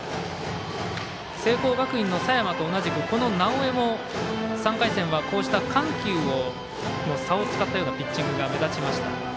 聖光学院の佐山と同じくこの直江も、３回戦はこうした緩急の差を使ったようなピッチングが目立ちました。